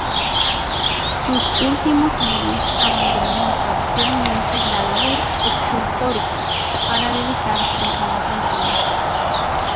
Sus últimos años abandonó parcialmente la labor escultórica, para dedicarse a la pintura.